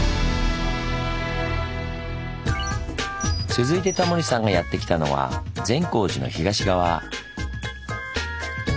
続いてタモリさんがやって来たのは善光寺の東側。